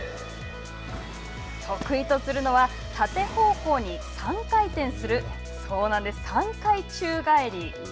得意とするのは縦方向に３回転する３回宙返り。